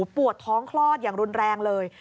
ปวดท้องคลอดอย่างรุนแรงเลย